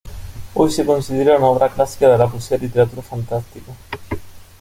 Hoy se considera una obra clásica de la poesía y literatura fantástica.